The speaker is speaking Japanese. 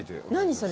それ。